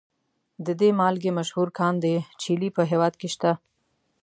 د دې مالګې مشهور کان د چیلي په هیواد کې شته.